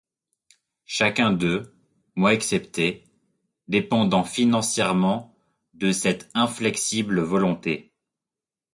Chacun d'eux, moi exceptée, dépendant financièrement de cette inflexible volonté.